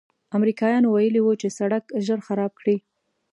امریکایانو ویلي و چې سړک ژر خراب کړي.